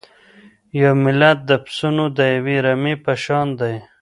یو ملت د پسونو د یوې رمې په شان دی.